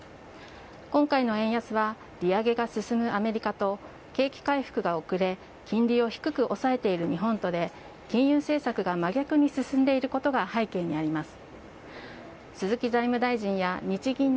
今回の円安は利上げが進むアメリカと景気回復が遅れ金利を低く抑えている日本とで金融政策が真逆に進んでいることが背景にあります。